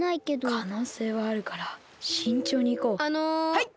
はい！